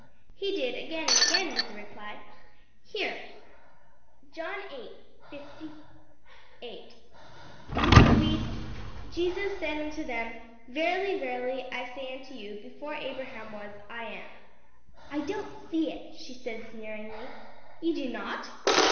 "He did again and again," was the reply "Here John viii. 58 we read "Jesus said unto them, 'Verily, verily, I say unto you, Before Abraham was, I am.'"" "I don't see it!" she said sneeringly. "You do not?